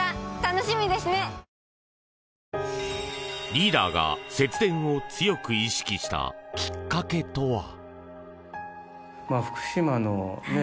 リーダーが節電を強く意識したきっかけとは？